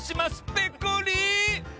ペコリ！